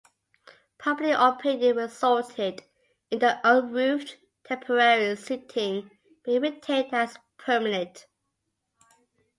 Public opinion resulted in the unroofed temporary seating being retained as permanent.